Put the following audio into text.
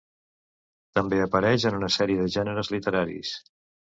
També apareix en una sèrie de gèneres literaris.